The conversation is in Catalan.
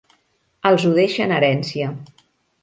Els ho deixa en herència.